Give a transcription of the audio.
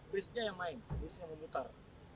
wristnya yang main wristnya yang memutar